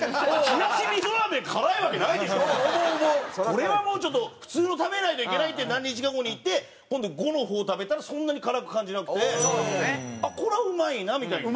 これはもうちょっと普通の食べないといけないって何日か後に行って今度５の方食べたらそんなに辛く感じなくてあっこれはうまいなみたいな。